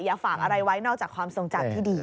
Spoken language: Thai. ฝากอะไรไว้นอกจากความทรงจำที่ดี